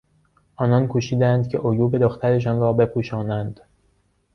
آنان کوشیدند که عیوب دخترشان را بپوشانند.